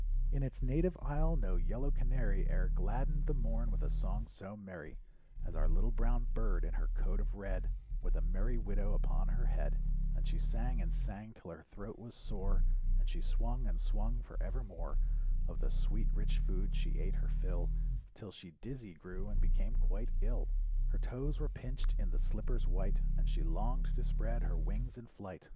In its native isle no yellow canary E'er gladdened the morn with a song so merry. As our little brown bird in her coat of red With a "merry widow" upon her head, And she sang and sang 'till her thoat was sore And she swung and swung forevermore, Of the sweet rich food she ate her fill 'Till she dizzy grew and became quite ill Her toes were pinched in the slippers white And she longed to spread her wings in flight.